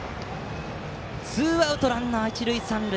ツーアウトランナー、一塁三塁。